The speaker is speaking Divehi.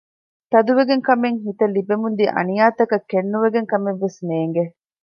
ތަދުވެގެން ކަމެއް ހިތަށް ލިބެމުންދިޔަ އަނިޔާތަކަށް ކެތްނުވެގެން ކަމެއް ވެސް ނޭންގެ